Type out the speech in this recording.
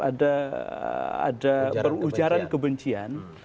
ada perujaran kebencian